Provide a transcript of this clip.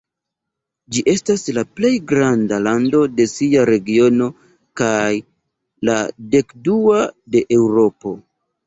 Ĝi estas la plej granda lando de sia regiono kaj la dekdua de Eŭropo.